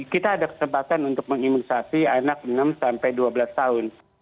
kita ada kesempatan untuk mengimunisasi anak enam sampai dua belas tahun